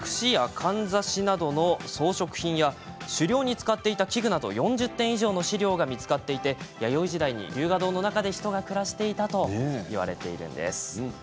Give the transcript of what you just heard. つぼの他にもくしやかんざしなどの装飾品や狩猟に使っていた器具など４０点以上の史料が見つかっていて弥生時代に龍河洞の中に人が暮らしていたということがいわれているんです。